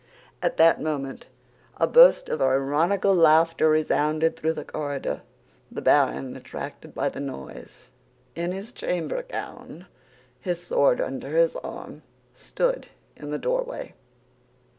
At that moment a burst of ironical laughter resounded through the corridor. The baron, attracted by the noise, in his chamber gown, his sword under his arm, stood in the doorway.